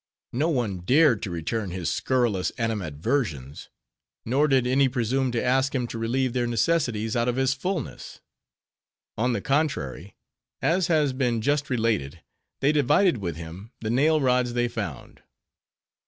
No one dared to return his scurrilous animadversions, nor did any presume to ask him to relieve their necessities out of his fullness. On the contrary, as has been just related, they divided with him the nail rods they found.